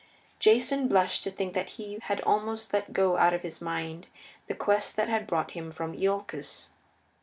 Jason blushed to think that he had almost let go out of his mind the quest that had brought him from Iolcus.